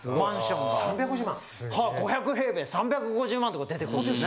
・はい５００平米３５０万とか出てくるんですね。